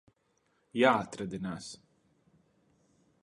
Jāatrādinās.